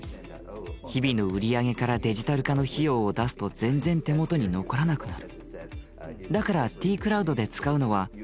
日々の売り上げからデジタル化の費用を出すと全然手元に残らなくなる。